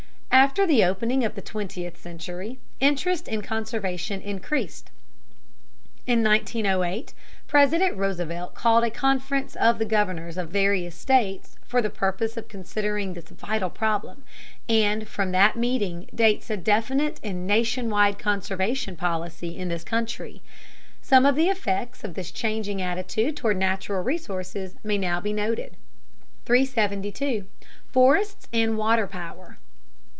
After the opening of the twentieth century interest in conservation increased. In 1908 President Roosevelt called a conference of the governors of the various states for the purpose of considering this vital problem, and from that meeting dates a definite and nationwide conservation policy in this country. Some of the effects of this changing attitude toward natural resources may now be noted. 372. FORESTS AND WATER POWER.